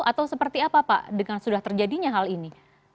atau seperti apa pak dengan sudah terjadinya hal ini